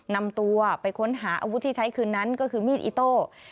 นำตัวไปค้นหาอาวุธที่ใช้คืนนั้นก็คือมีดอิโต้